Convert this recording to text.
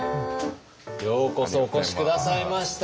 ようこそお越し下さいました。